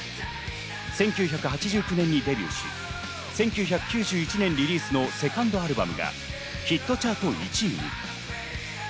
１９８９年にデビューし、１９９１年リリースのセカンドアルバムがヒットチャート１位に。